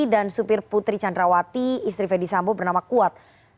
supir putri candrawati istri ferdisambo bernama kuat